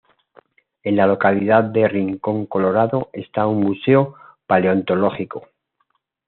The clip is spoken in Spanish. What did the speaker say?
En la localidad de Rincón Colorado está un museo Paleontológico.